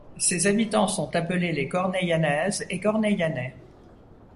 Ses habitants sont appelés les Corneilhanaises et Corneilhanais.